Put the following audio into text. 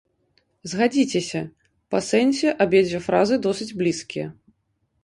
Згадзіцеся, па сэнсе абедзве фразы досыць блізкія.